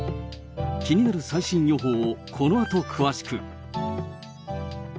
気になる最新予報を、このあと詳しく。